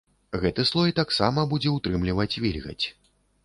Гэты слой таксама будзе ўтрымліваць вільгаць.